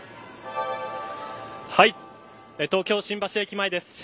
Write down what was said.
東京、新橋駅前です。